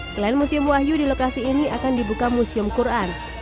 selain museum wahyu di lokasi ini akan dibuka museum quran